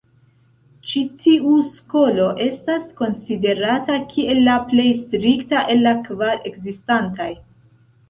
Ĉi tiu skolo estas konsiderata kiel la plej strikta el la kvar ekzistantaj.